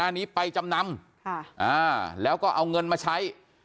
อันนี้ไปจำนำแล้วก็เอาเงินมาใช้